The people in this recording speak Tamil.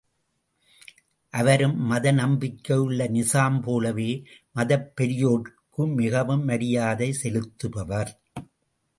அவரும் மத நம்பிக்கையுள்ள நிசாம் போலவே, மதப்பெரியோர்க்கு மிகவும் மரியாதை செலுத்துபவர்.